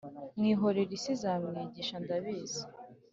Mwihorere isi izamwigisha ndabizi